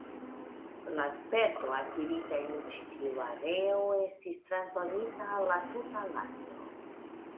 La sperto akirita en ĉi tiu areo estis transdonita al la tuta lando.